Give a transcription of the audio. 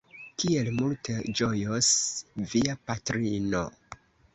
Kiel multe ĝojos via patrino!